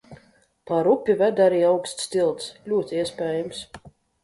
Pār upi veda arī augsts tilts. Ļoti iespējams.